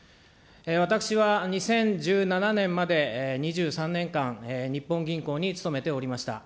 私は、２０１７年まで２３年間、日本銀行に勤めておりました。